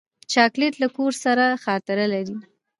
چاکلېټ له کور سره خاطره لري.